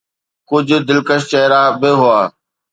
ڪجهه دلڪش چهرا به هئا.